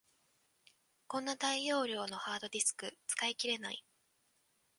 こんな大容量のハードディスク、使い切れない